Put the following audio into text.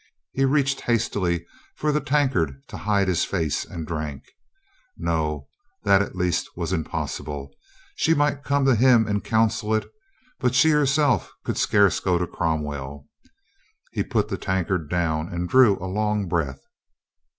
He reached hastily for the tankard to hide his face and drank. ... No, that at least was impossible. She might come to him and counsel it, but she herself could scarce go to Cromwell. ,.. He put the tankard down and drew a long breath.